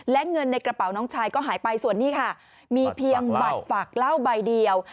และเงินในกระเป๋าน้องชายก็หายไปส่วนนี้ค่ะมีเพียงบัตรฝากเหล้าใบเดียว